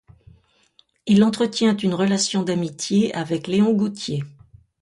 Il entretient une relation d'amitié avec Léon Gautier.